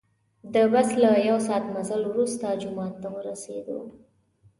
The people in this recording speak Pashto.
د بس له یو ساعت مزل وروسته جومات ته ورسیدو.